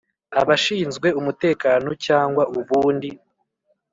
Abashinzwe umutekano cyangwa ubundi